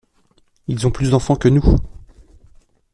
Ils ont plus d'enfants que nous.